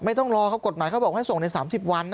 ต้องรอเขากฎหมายเขาบอกให้ส่งใน๓๐วัน